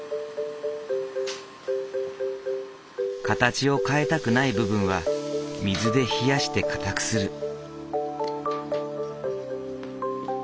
形を変えたくない部分は水で冷やして硬くする。